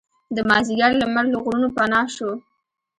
د مازدیګر لمر له غرونو پناه شو.